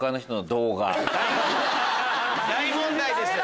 大問題です！